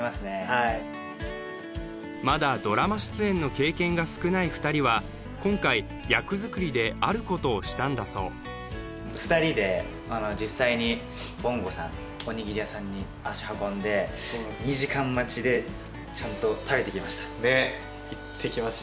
はいまだドラマ出演の経験が少ない２人は今回役作りであることをしたんだそう２人で実際にぼんごさんおにぎり屋さんに足運んでねっ行ってきました